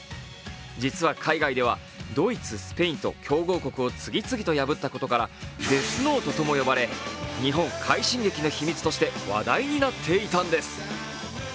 実は海外ではドイツ、スペインと強豪国を次々と破ったことからデスノートとも呼ばれ、日本快進撃の秘密として話題になっていたんです。